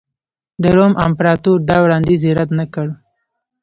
د روم امپراتور دا وړاندیز یې رد نه کړ